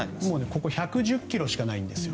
１１０ｋｍしかないんです。